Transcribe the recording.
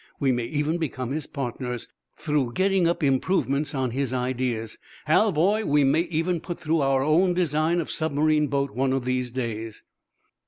We may even become his partners, through getting up improvements on his ideas. Hal, boy, we may even put through our own design of submarine boat one of these days."